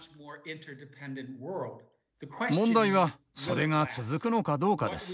問題はそれが続くのかどうかです。